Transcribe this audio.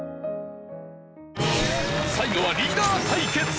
最後はリーダー対決。